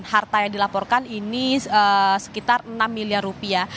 harta yang dilaporkan ini sekitar enam miliar rupiah